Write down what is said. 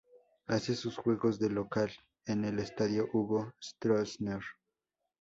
Hace sus juegos de local en el Estadio Hugo Stroessner.